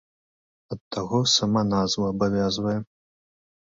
Ад таго сама назва абавязвае.